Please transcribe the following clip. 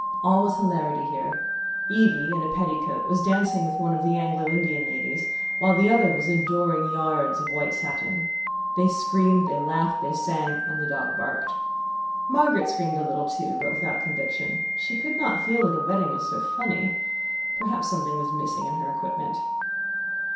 All was hilarity here. Evie, in a petticoat, was dancing with one of the Anglo Indian ladies, while the other was adoring yards of white satin. They screamed, they laughed, they sang, and the dog barked. Margaret screamed a little too, but without conviction. She could not feel that a wedding was so funny. Perhaps something was missing in her equipment.